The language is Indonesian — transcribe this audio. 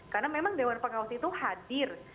karena memang dewan pengawas itu hadir